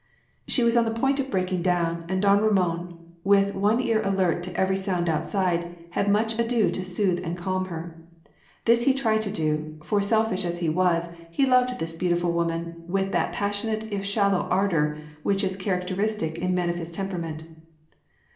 She was on the point of breaking down, and don Ramon with one ear alert to every sound outside had much ado to soothe and calm her. This he tried to do, for selfish as he was, he loved this beautiful woman with that passionate if shallow ardour which is characteristic in men of his temperament.